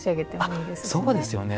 そうですよね。